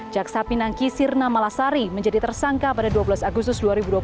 jaksa pinangki sirna malasari menjadi tersangka pada dua belas agustus dua ribu dua puluh